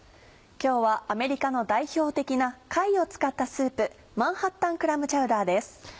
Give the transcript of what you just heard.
今日はアメリカの代表的な貝を使ったスープ「マンハッタンクラムチャウダー」です。